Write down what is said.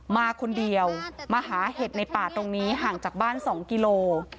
มาคนเดียวมาหาเห็ดในป่าตรงนี้ห่างจากบ้าน๒กิโล